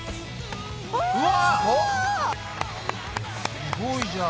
すごいじゃん。